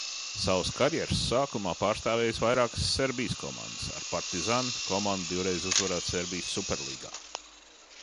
"Savas karjeras sākumā pārstāvējis vairākas Serbijas komandas, ar "Partizan" komandu divreiz uzvarot Serbijas Superlīgā."